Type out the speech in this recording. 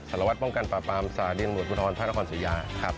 สารวัฒน์ป้องกันปลาปามสารดินโมทมุทรพระนครศรียาครับ